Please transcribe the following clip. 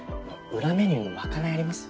裏メニューのまかないあります？